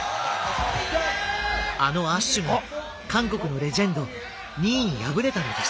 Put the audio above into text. あのアッシュも「韓国のレジェンド」ニーに敗れたのです。